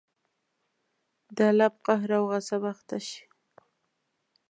د الله په قهر او غصب اخته شئ.